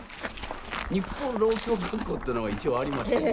日本浪曲学校っていうのが一応ありましてね